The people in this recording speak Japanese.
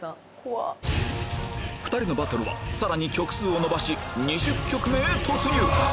２人のバトルはさらに曲数を伸ばし２０曲目へ突入！